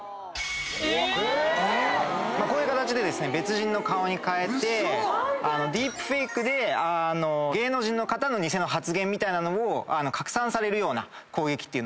こういう形で別人の顔に変えてディープフェイクで芸能人の方の偽の発言みたいなのを拡散されるような攻撃っていう。